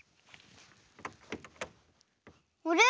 あれ？